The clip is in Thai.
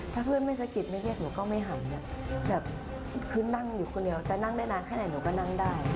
ถ้าเพื่อนไม่สกิดไม่เย็นหนูก็ไม่หัน